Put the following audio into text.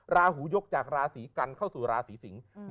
ราหูยกจากราศีกันเข้าสู่ราศีสิงศ์